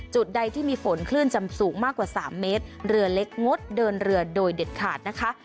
ใดที่มีฝนคลื่นจะสูงมากกว่า๓เมตรเรือเล็กงดเดินเรือโดยเด็ดขาดนะคะ